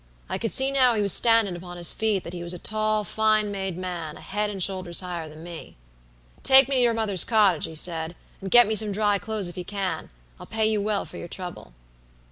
I could see now he was standin' upon his feet that he was a tall, fine made man, a head and shoulders higher than me. "'Take me to your mother's cottage,' he said, 'and get me some dry clothes if you can; I'll pay you well for your trouble.'